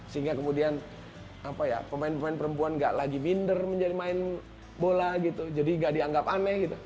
sehingga kemudian pemain pemain perempuan gak lagi minder menjadi main bola gitu jadi nggak dianggap aneh gitu